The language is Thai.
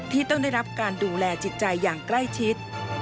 ที่ต้องได้รับการดูแลจิตใจอย่างใกล้ชิด